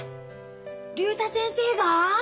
竜太先生が！？